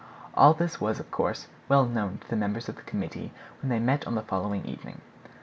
All this was, of course, well known to the members of the committee when they met on the following evening.